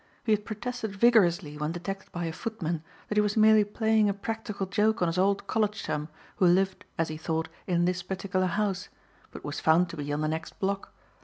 He had protested vigorously when detected by a footman that he was merely playing a practical joke on his old college chum who lived, as he thought, in this particular house, but was found to be on the next block.